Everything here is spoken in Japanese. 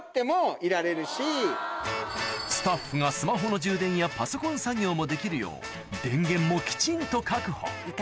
スタッフがスマホの充電やパソコン作業もできるよう電源もきちんと確保